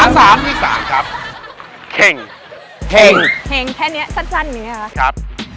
กลมกุ่มขาดกุ้งครับ